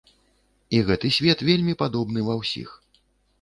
І гэты свет вельмі падобны ва ўсіх.